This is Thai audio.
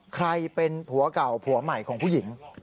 ใครเป็นผัวเก่าผัวใหม่ของผู้หญิง